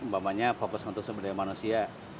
mampuannya fokus untuk sebenarnya manusia